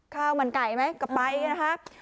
ข้าวมันไก่ไหมก็ไปนะครับ